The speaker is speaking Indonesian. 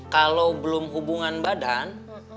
kalau belum hubungan badan